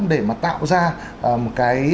để mà tạo ra một cái